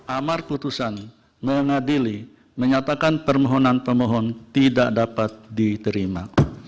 amar putusan mengadili menyatakan permohonan pemohon tidak dapat diterima